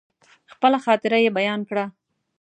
خپله خاطره يې بيان کړه.